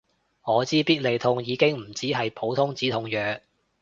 我知必理痛已經唔止係普通止痛藥